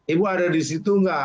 ibu ada di situ nggak